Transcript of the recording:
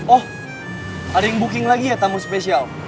oh ada yang booking lagi ya tamu spesial